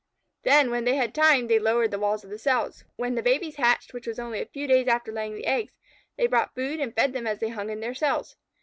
Then, when they had time, they lowered the walls of the cells. When the babies hatched, which was only a few days after the laying of the eggs, they brought food and fed them as they hung in their cells.